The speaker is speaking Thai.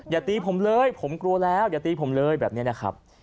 อย่าตีผมเลยผมกลัวแล้วอย่าตีผมเลยแบบนี้นะครับ